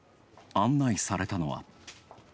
案内されたのは。